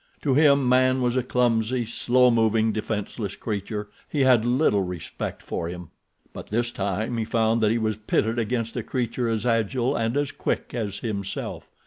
To him man was a clumsy, slow moving, defenseless creature—he had little respect for him. But this time he found that he was pitted against a creature as agile and as quick as himself.